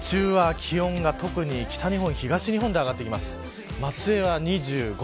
日中は気温が特に、北日本東日本で上がってきます。